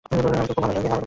আমারো ওকে খুব ভালো লাগে।